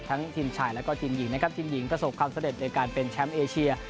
ทีมชายแล้วก็ทีมหญิงนะครับทีมหญิงประสบความสำเร็จในการเป็นแชมป์เอเชีย